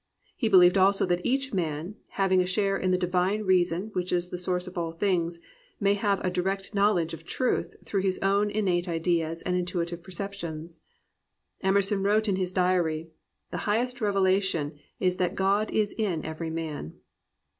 He believed also that each man, having a share in the Divine Reason which is the source of all things, may have a direct knowledge of truth through his own innate ideas and intuitive perceptions. Emerson wrote in his diary, "The highest revelation is that God is in every man."